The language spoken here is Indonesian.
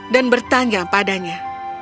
dan bertanya padanya